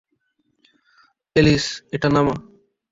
Alice, এটা নামা!